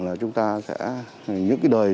là chúng ta sẽ những cái đời